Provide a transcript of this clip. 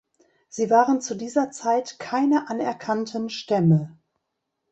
Sie waren zu dieser Zeit keine anerkannten Stämme.